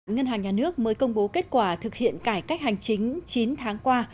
ngân hàng nhà nước mới công bố kết quả thực hiện cải cách hành chính chín tháng qua